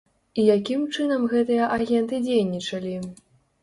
І якім чынам гэтыя агенты дзейнічалі?